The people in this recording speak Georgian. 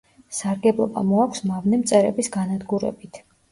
სარგებლობა მოაქვს მავნე მწერების განადგურებით.